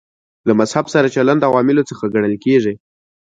له مذهب سره چلند عواملو څخه ګڼل کېږي.